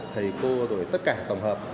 thầy cô rồi tất cả tổng hợp